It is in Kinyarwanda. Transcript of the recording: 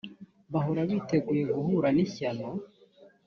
bahora biteguye guhura n’ishyano